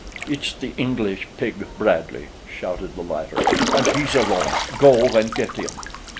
"It's the English pig, Bradley," shouted the latter, "and he's alone go and get him!"